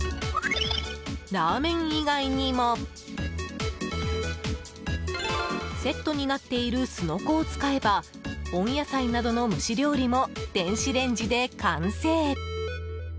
ラーメン以外にもセットになっているすのこを使えば温野菜などの蒸し料理も電子レンジで完成。